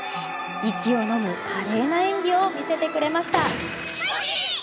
息をのむ華麗な演技を見せてくれました。